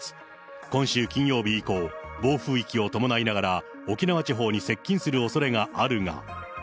今週金曜日以降、暴風域を伴いながら、沖縄地方に接近するおそれがあるが。